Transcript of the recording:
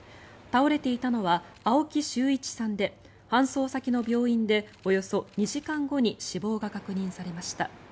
倒れていたのは青木修一さんで搬送先の病院でおよそ２時間後に死亡が確認されました。